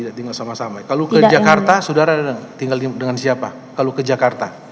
baik tinggal sama sama kalau ke jakarta saudara tinggal dengan siapa kalau ke jakarta